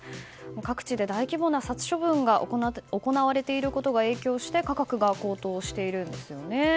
各地で大規模な殺処分が行われていることが影響して価格が高騰しているんですね。